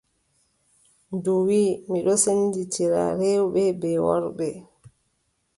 Ndu wii: mi ɗon sendindira rewɓe bee worɓe.